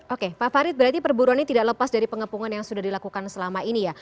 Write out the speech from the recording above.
oke pak farid berarti perburuan ini tidak lepas dari pengepungan yang sudah dilakukan selama ini ya